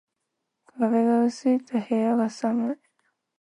壁が薄いと部屋が寒い